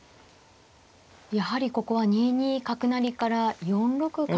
やはりここは２二角成から４六角が。